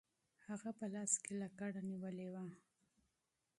هغه په لاس کې امسا نیولې وه.